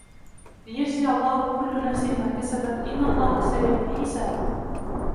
ليجزي الله كل نفس ما كسبت إن الله سريع الحساب